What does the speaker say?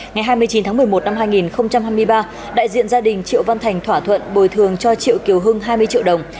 ngày hai mươi chín tháng một mươi một năm hai nghìn hai mươi ba đại diện gia đình triệu văn thành thỏa thuận bồi thường cho triệu kiều hưng hai mươi triệu đồng